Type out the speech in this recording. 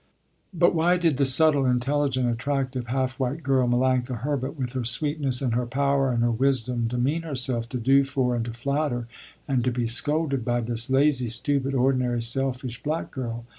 But why did the subtle, intelligent, attractive, half white girl Melanctha Herbert, with her sweetness and her power and her wisdom, demean herself to do for and to flatter and to be scolded, by this lazy, stupid, ordinary, selfish black girl.